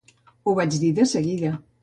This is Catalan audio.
Ho vaig dir de seguida.